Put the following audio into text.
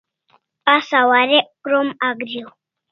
Asa warek krom agri au